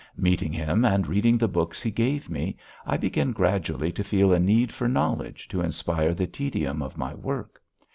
Meeting him and reading the books he gave me, I began gradually to feel a need for knowledge to inspire the tedium of my work.